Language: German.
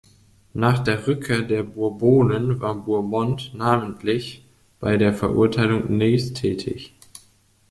Nach der Rückkehr der Bourbonen war Bourmont namentlich bei der Verurteilung Neys tätig.